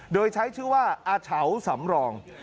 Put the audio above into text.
โดยใช้ชื่อว่าอาเฉาสำรอง